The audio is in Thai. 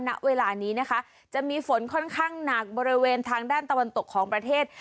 ณเวลานี้นะคะจะมีฝนค่อนข้างหนักบริเวณทางด้านตะวันตกของประเทศ